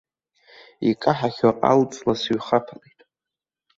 Икаҳахьоу алҵла сыҩхаԥалеит.